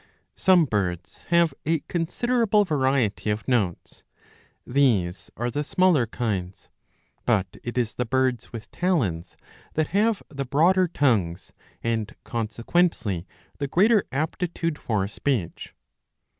Some birds have a considerable variety of notes. These are the smaller kinds.* But it is the birds with talons that have the broader tongues and consequently the greater aptitude for speech.